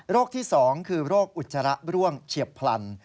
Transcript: ที่๒คือโรคอุจจาระร่วงเฉียบพลัน